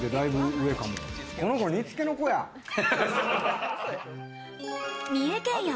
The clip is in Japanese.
この子、煮つけの子や。